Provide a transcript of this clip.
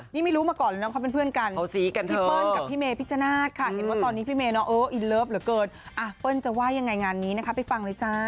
นี่ไม่รู้มาก่อนแล้วนะพอเป็นเพื่อนกัน